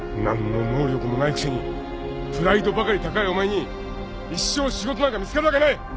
何の能力もないくせにプライドばかり高いお前に一生仕事なんか見つかるわけない。